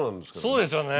そうですね。